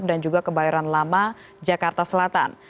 dan juga kebayoran lama jakarta selatan